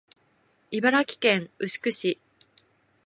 茨城県牛久市